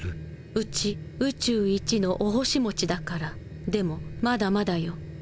うちウチュウイチのお星持ちだからでもまだまだよ。